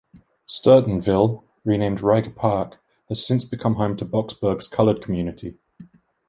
Stirtonville, renamed Reiger Park, has since become home to Boksburg's coloured community.